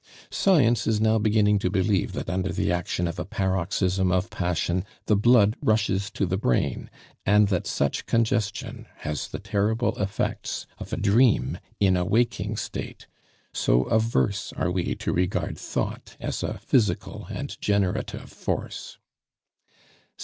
Science is now beginning to believe that under the action of a paroxysm of passion the blood rushes to the brain, and that such congestion has the terrible effects of a dream in a waking state, so averse are we to regard thought as a physical and generative force.